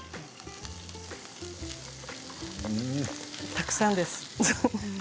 たくさんです。